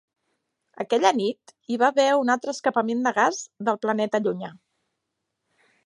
Aquella nit, hi va haver un altre escapament de gas del planeta llunyà.